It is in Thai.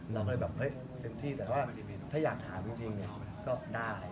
เราก็เลยแบบเฮ้ยเต็มที่แต่ว่าถ้าอยากถามจริงก็ได้